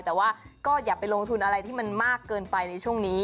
แต่ว่าก็อย่าไปลงทุนอะไรที่มันมากเกินไปในช่วงนี้